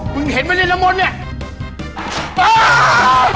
มึงเห็นมันได้ระมนต์เนี่ย